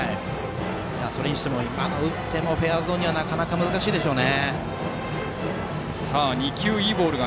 それにしても、今のは打ってもフェアゾーンには難しいでしょう。